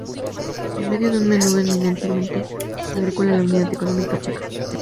En medio de un mundo eminentemente agrícola, la unidad económica básica fue la chacra.